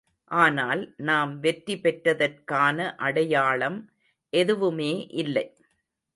ஆனால், நாம் வெற்றி பெற்றதற்கான அடையாளம் எதுவுமே இல்லை.